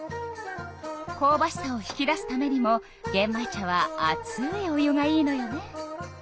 こうばしさを引き出すためにもげん米茶は熱いお湯がいいのよね。